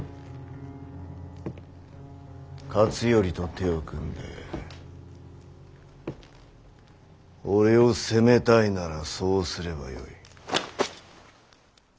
勝頼と手を組んで俺を攻めたいならそうすればよい。